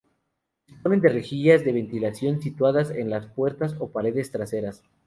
Disponen de rejillas de ventilación situadas en las puertas o paredes traseras.